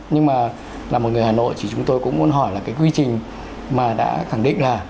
nhưng mà là một người hà nội thì chúng tôi cũng muốn hỏi là cái quy trình mà đã khẳng định là